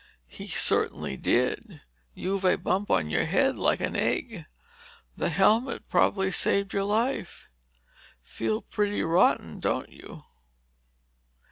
"He certainly did! You've a bump on your head like an egg. The helmet probably saved your life. Feel pretty rotten, don't you?"